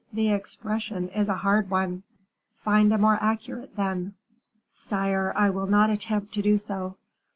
The expression is a hard one." "Find a more accurate, then." "Sire, I will not attempt to do so.